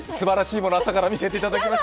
すばらしいものを見せていただきました！